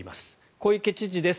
小池知事です。